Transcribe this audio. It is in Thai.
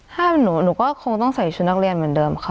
ถ้าหนูก็คงต้องใส่ชุดนักเรียนเหมือนเดิมค่ะ